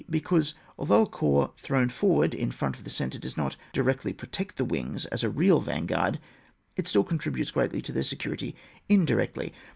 Because, although a corps thrown forward in front of fiie centre does not directly protect the wings as a real van guard, it still contributes g^atly to their security indirectly.